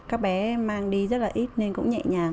các bé mang đi rất là ít nên cũng nhẹ nhàng